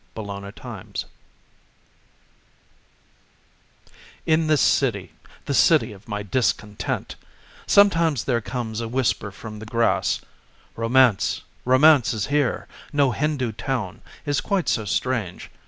Springfield Magical In this, the City of my Discontent, Sometimes there comes a whisper from the grass, "Romance, Romance is here. No Hindu town Is quite so strange.